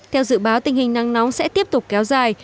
theo dự báo tình hình nắng nóng sẽ tiếp tục kéo dài